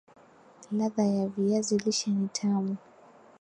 ladha ya viazi lishe ni tamu